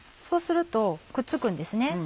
そうするとくっつくんですね。